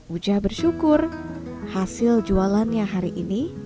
ujah bersyukur hasil jualannya hari ini